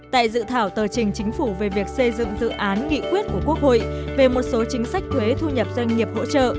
tại dự thảo tờ trình chính phủ về việc xây dựng dự án nghị quyết của quốc hội về một số chính sách thuế thu nhập doanh nghiệp hỗ trợ